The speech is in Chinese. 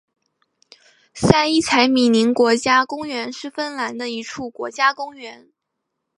塞伊采米宁国家公园是芬兰的一处国家公园。